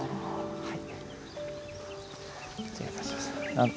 はい。